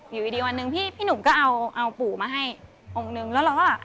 อยู่ดีวันหนึ่งพี่หนุ่มก็เอาปูมาให้องค์หนึ่งแล้วเราก็ว่า